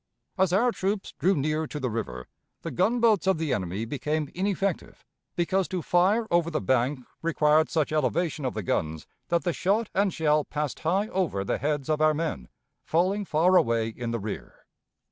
As our troops drew near to the river, the gunboats of the enemy became ineffective, because to fire over the bank required such elevation of the guns that the shot and shell passed high over the heads of our men, falling far away in the rear.